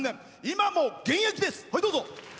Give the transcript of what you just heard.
今も現役です。